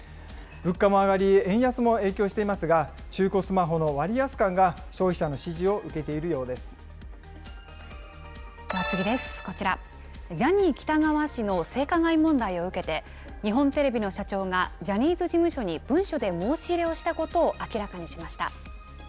物価も上がり、円安も影響していますが、中古スマホの割安感が消費者の支持を受では次です、こちら、ジャニー喜多川氏の性加害問題を受けて、日本テレビの社長がジャニーズ事務所に文書で申し入れをしたことを明らかにしました。